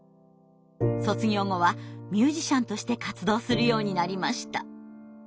卒業後はミュージシャンとして活動するようになりました。